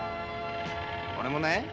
俺もね